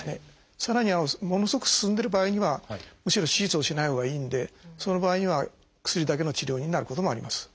さらにはものすごく進んでる場合にはむしろ手術をしないほうがいいんでその場合には薬だけの治療になることもあります。